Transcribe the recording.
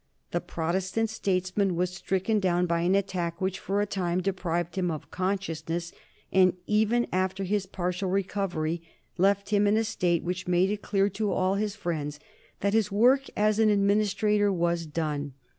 The Protestant statesman was stricken down by an attack which for a time deprived him of consciousness, and even after his partial recovery left him in a state which made it clear to all his friends that his work as an administrator was done.